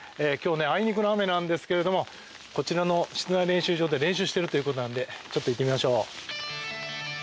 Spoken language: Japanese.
あいにくの雨ですがこちらの室内練習場で練習しているということでちょっと行ってみましょう。